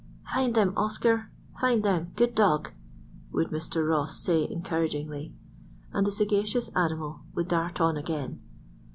"Find them, Oscar, find them, good dog," would Mr. Ross say encouragingly, and the sagacious animal would dart on again.